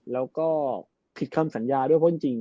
แล้วก็ผิดคำสัญญาด้วยเพราะจริง